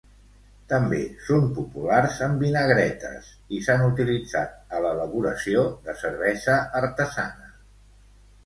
També són populars en vinagretes i s'han utilitzat a l'elaboració de cervesa artesana.